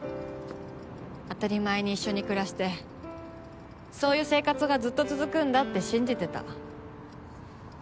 当たり前に一緒に暮らしてそういう生活がずっと続くんだって信じてた。